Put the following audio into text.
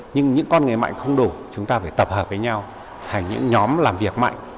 nhưng những con người mạnh không đủ chúng ta phải tập hợp với nhau thành những nhóm làm việc mạnh